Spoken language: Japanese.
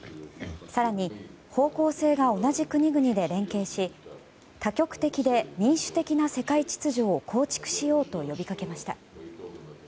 更に、方向性が同じ国々で連携し多極的で民主的な世界秩序を構築しようと呼びかけました。